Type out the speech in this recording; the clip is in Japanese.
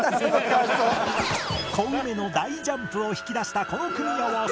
コウメの大ジャンプを引き出したこの組み合わせ